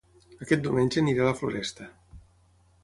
Aquest diumenge aniré a La Floresta